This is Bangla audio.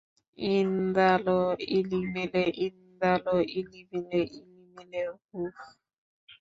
ইন্দালো ইলিমেলে ইন্দালো ইলিমেলে ইলিমেলে হুহ!